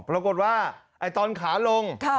ปรากฏว่าตอนขาลง